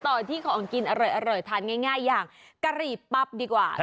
ต่อที่ของกินอร่อยทานง่ายอย่างกะหรี่ปั๊บดีกว่า